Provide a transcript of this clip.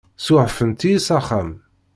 Suɛfent-iyi s axxam.